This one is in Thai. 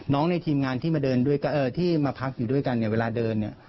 น้องในทีมงานที่มาพักอยู่ด้วยกันเวลาเดิน